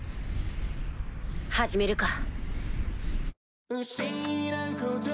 始めるか。